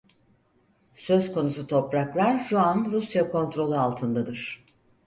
Söz konusu topraklar şu an Rusya kontrolü altındadır.